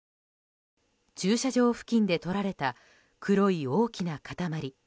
駐車場付近で撮られた黒い大きな塊。